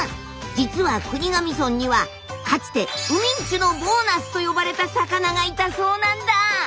実は国頭村にはかつて海人のボーナスと呼ばれた魚がいたそうなんだ！